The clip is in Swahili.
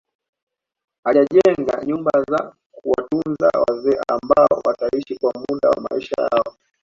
Atajenga nyumba za kuwatunza wazee ambao wataishi kwa muda wa maisha yao